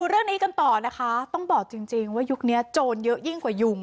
เรื่องนี้กันต่อนะคะต้องบอกจริงว่ายุคนี้โจรเยอะยิ่งกว่ายุง